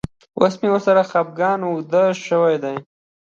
اوس مې ورسره خپګان اوږد شوی دی.